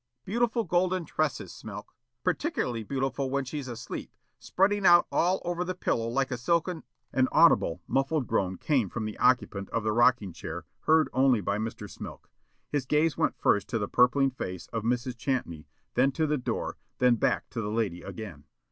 Beautiful golden tresses, Smilk. Particularly beautiful when she's asleep, spreading out all over the pillow like a silken " An audible, muffled, groan came from the occupant of the rocking chair heard only by Mr. Smilk. His gaze went first to the purpling face of Mrs. Champney, then to the door, then back to the lady again.